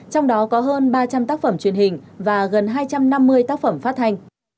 trong đó có hơn ba trăm linh tác phẩm truyền hình và gần hai trăm năm mươi tác phẩm phát hành